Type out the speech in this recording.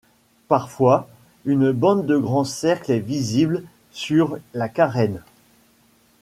Parfois, une bande de grands cercles est visible sur la carène.